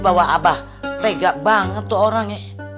bahwa abah tega banget tuh orangnya